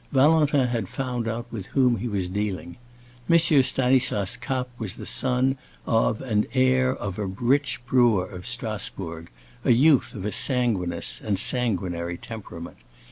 Valentin had found out with whom he was dealing. M. Stanislas Kapp was the son of and heir of a rich brewer of Strasbourg, a youth of a sanguineous—and sanguinary—temperament.